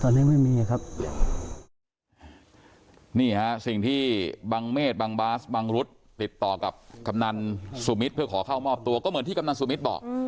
ตอนนี้ไม่มีครับนี่ฮะสิ่งที่บังเมฆบางบาสบังรุษติดต่อกับกำนันสุมิตรเพื่อขอเข้ามอบตัวก็เหมือนที่กำนันสุมิตรบอก